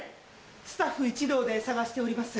スタッフ一同で捜しております。